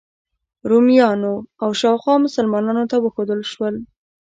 رومیانو او شاوخوا مسلمانانو ته وښودل شول.